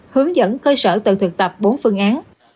hướng dẫn cơ sở tự thực tập bốn phương án